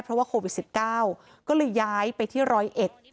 เพราะว่าโควิดสิบเก้าก็เลยย้ายไปที่ร้อยเอ็ด